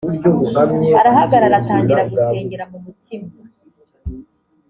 arahagarara atangira gusengera mu mutima